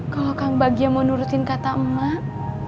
kalau kang bagja mau nurutin kata emak